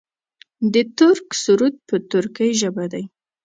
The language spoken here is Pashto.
د ترک سرود په ترکۍ ژبه دی.